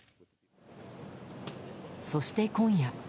そして、今夜。